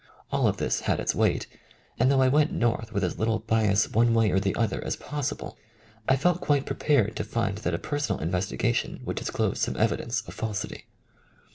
All of this had its weight, and though I went North with as little bias one way or the other as possible, I felt quite prepared to find that a personal investiga tion would disclose some evidence of falsity.